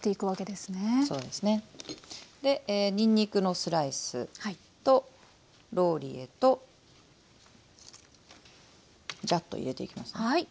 でにんにくのスライスとローリエとじゃっと入れていきます。